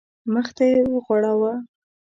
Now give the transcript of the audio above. مخ ته یې وغوړاوه.